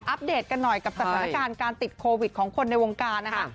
เดตกันหน่อยกับสถานการณ์การติดโควิดของคนในวงการนะคะ